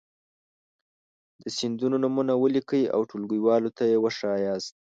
د سیندونو نومونه ولیکئ او ټولګیوالو ته یې وښایاست.